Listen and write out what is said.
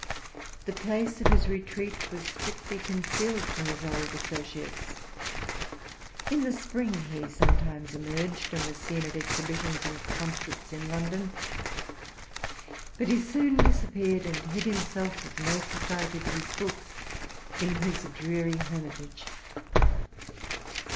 The place of his retreat was strictly concealed from his old associates. In the spring he sometimes emerged, and was seen at exhibitions and concerts in London. But he soon disappeared, and hid himself, with no society but his books, in his dreary hermitage.